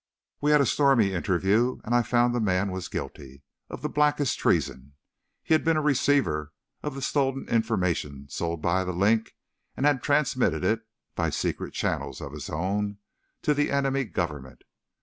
"We had a stormy interview, and I found the man was guilty of the blackest treason. He had been a receiver of the stolen information sold by 'The Link,' and had transmitted it, by secret channels of his own, to the enemy government.